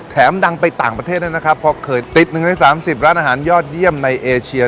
ดังไปต่างประเทศด้วยนะครับเพราะเคยติด๑ใน๓๐ร้านอาหารยอดเยี่ยมในเอเชีย